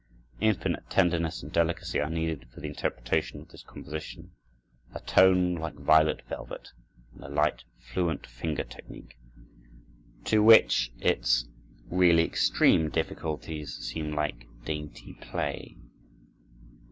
Infinite tenderness and delicacy are needed for the interpretation of this composition; a tone like violet velvet, and a light, fluent finger technic, to which its really extreme difficulties seem like dainty play.